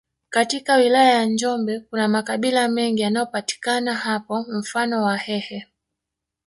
Katika wilaya ya njombe kuna makabila mengi yanayopatika hapo mfano wahehe